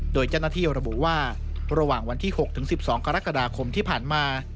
โดยเจ้าหน้าที่ระบุว่าระหว่างวันที่๖๑๒กรกฎาคมที่ผ่านมา